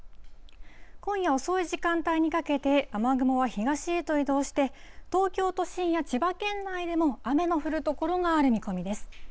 今夜遅い時間帯にかけて、雨雲は東へと移動して、東京都心や千葉県内でも雨の降る所がある見込みです。